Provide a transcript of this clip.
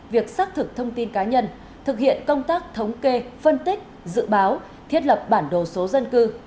việc xác thực thông tin cá nhân thực hiện công tác thống kê phân tích dự báo thiết lập bản đồ số dân cư